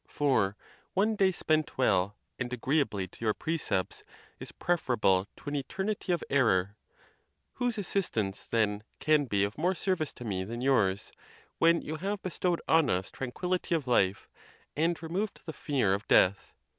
For one day spent well, and agreeably to your precepts, is preferable to an eternity of error. Whose assistance, then, can be of more service to me than yours, when you have bestowed on us tranquillity of life, and removed the fear of death?